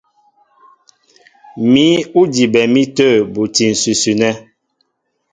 Mǐ' ó dibɛ mi tə̂ buti ǹsʉsʉ nɛ́.